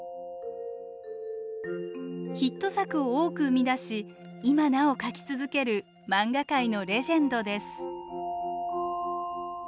ヒット作を多く生み出し今なお描き続ける漫画界のレジェンドです。